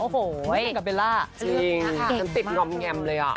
เกลียดกับเบลล่าจริงจมติดลอท์งั้่มเลยอ่ะ